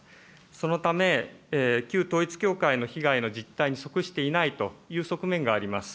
そのため、旧統一教会の被害の実態にそくしていないという側面があります。